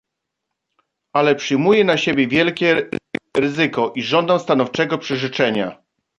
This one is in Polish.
"Ale przyjmuję na siebie wielkie ryzyko i żądam stanowczego przyrzeczenia."